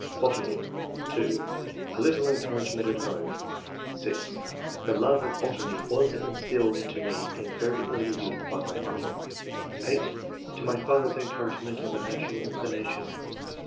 Botany. — (2) A little encouragement at home, ((i) The love of botany was instilled into me in very early youth by my father. (8) To my father's encouragement of a natural inclination.